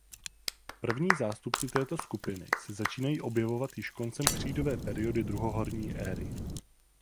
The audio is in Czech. První zástupci této skupiny se začínají objevovat již koncem křídové periody druhohorní éry.